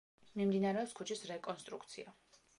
მიმდინარეობს ქუჩის რეკონსტრუქცია.